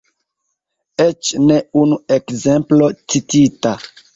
Eĉ ne unu ekzemplo citita.